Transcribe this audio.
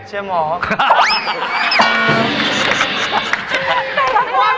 เชียร์เซอร์ลี่